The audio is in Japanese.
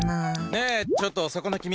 ねえ、ちょっとそこの君。